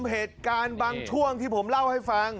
เหตุการณ์บางช่วงที่ผมเล่าให้ฟัง